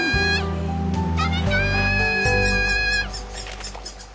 食べたい！